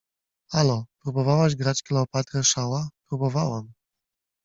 — Hallo! Próbowałaś grać Kleopatrę Shawa? — Próbowałam.